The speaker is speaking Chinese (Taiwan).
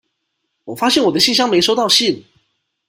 我發現我的信箱沒收到信